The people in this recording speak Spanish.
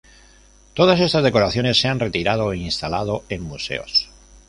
Todas estas decoraciones se han retirado o instalado en museos.